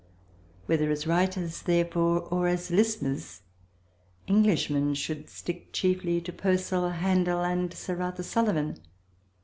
Whether as writers, therefore, or as listeners, Englishmen should stick chiefly to Purcell, Handel, and Sir Arthur Sullivan.